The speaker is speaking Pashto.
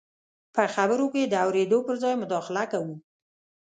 په خبرو کې د اورېدو پر ځای مداخله کوو.